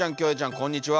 こんにちは。